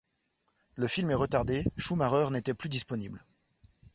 Le film est retardé, Schumacher n'était plus disponible.